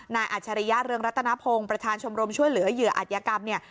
อัจฉริยะเรืองรัตนพงศ์ประธานชมรมช่วยเหลือเหยื่ออัธยกรรมเนี่ย